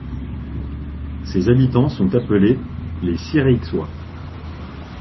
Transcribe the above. Ses habitants sont appelés les Sireixois.